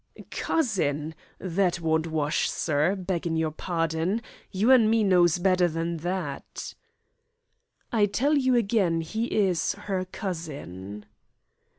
"Cousin! That won't wash, sir, beggin' your pardon. You an' me knows better than that" "I tell you again he is her cousin."